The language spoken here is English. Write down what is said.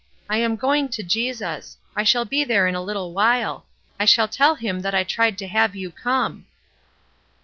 I am going to Jesus. I shall be there in a little while. I shall tell him that I tried to have you come!"